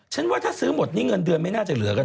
ว่าถ้าซื้อหมดนี่เงินเดือนไม่น่าจะเหลือกัน